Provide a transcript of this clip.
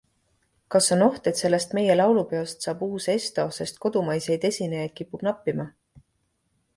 Kas on oht, et sellest meie laulupeost saab uus ESTO, sest kodumaiseid esinejaid kipub nappima?